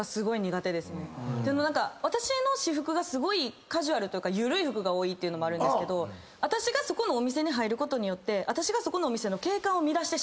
私の私服がすごいカジュアルというか緩い服が多いっていうのもあるんですけど私がそこのお店に入ることによって。と思って。